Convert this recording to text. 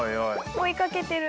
追いかけてる。